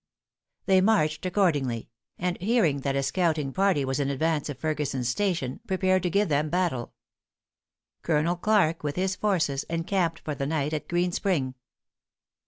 They marched accordingly; and hearing that a scouting party was in advance of Ferguson's station, prepared to give them battle. Colonel Clarke, with his forces, encamped for the night at Green Spring.